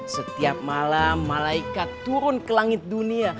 setiap malam malaikat turun ke langit dunia